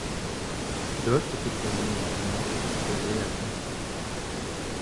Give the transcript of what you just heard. D'autres se promenaient lentement, causaient à demi-voix.